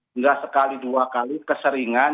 enggak sekali dua kali keseringan